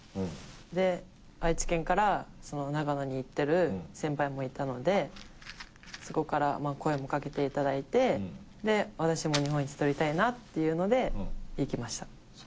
で愛知県から長野に行ってる先輩もいたのでそこから声も掛けていただいてで私も日本一取りたいなっていうので行きました。